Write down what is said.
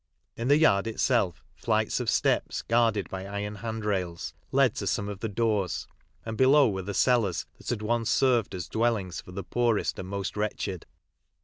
In the yard itself flights of steps, guarded by iron handrails, led to some of tho doors, and below were the cellars that had once served as dwellings for the poorest and most wretched.